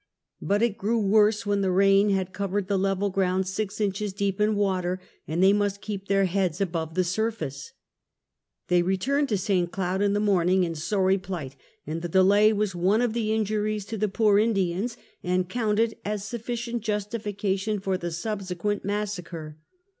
But it grew worse when the rain had covered the level ground six inches deep in water, and they must keep their heads above the surface. Thej returned to St. Cloud in the morning in sorry plight, and the delay was one of the injuries to the poor Indians, and counted as sufficient justification for the subsequent massacre.